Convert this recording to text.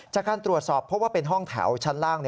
จากการตรวจสอบเพราะว่าเป็นห้องแถวชั้นล่าง